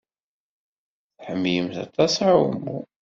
Tḥemmlemt aṭas aɛumu.